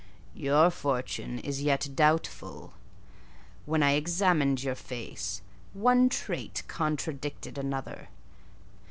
"Your fortune is yet doubtful: when I examined your face, one trait contradicted another.